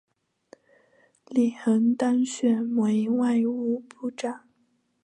李璜当选为外务部长。